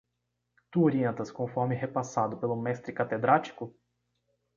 Tu orientas conforme repassado pelo mestre catedrático?